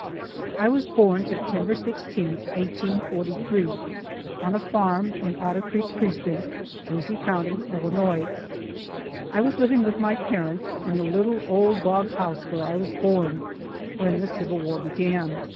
I was born September 16, 1843, on a farm, in Otter Creek precinct, Jersey County, Illinois. I was living with my parents, in the little old log house where I was born, when the Civil war began.